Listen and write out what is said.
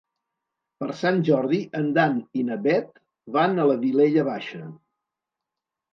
Per Sant Jordi en Dan i na Bet van a la Vilella Baixa.